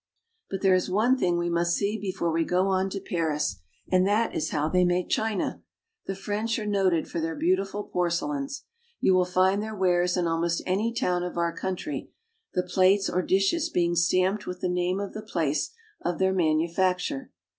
But there is one thing we must see before we go on to Paris, and that is how they make china. The French are noted for their beautiful porcelains. You will find their wares in almost any town of our country, the plates or dishes being stamped with the name of the place of their manufacture.